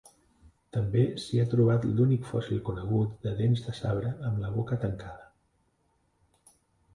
També s'hi ha trobat l'únic fòssil conegut de dents de sabre amb la boca tancada.